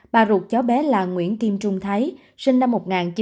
bà ruột chó bé là nguyễn kim trung thái sinh năm một nghìn chín trăm tám mươi năm